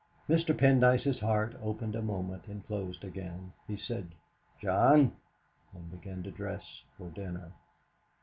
Mr. Pendyce's heart opened a moment and closed again. He said "John!" and began to dress for dinner.